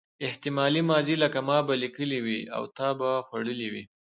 احتمالي ماضي لکه ما به لیکلي وي او تا به خوړلي وي.